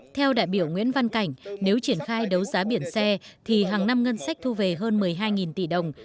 theo đại biểu nguyễn văn cảnh nếu triển khai đấu giá biển xe thì hàng năm ngân sách thu về hơn một mươi hai tỷ đồng